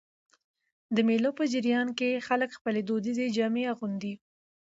د مېلو په جریان کښي خلک خپلي دودیزي جامې اغوندي.